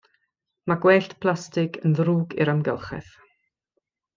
Mae gwellt plastig yn ddrwg i'r amgylchedd.